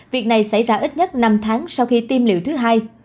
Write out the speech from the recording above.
việc này xảy ra ít nhất năm tháng sau khi tiêm liệu thứ hai